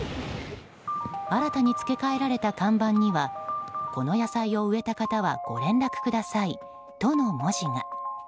新たに付け替えられた看板には「この野菜を植えた方はご連絡ください」との文字が。